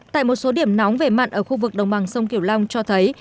tại một số điểm nóng về mặn ở khu vực đồng bằng sông kiểu long cho thấy